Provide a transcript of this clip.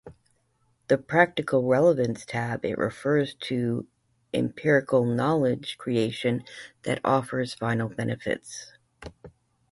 The "practical relevance" tab it refers to empirical knowledge creation that offers final benefits.